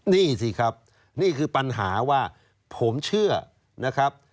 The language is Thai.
นี่สิครับนี่คือปัญหาว่าผมเชื่อนะครับ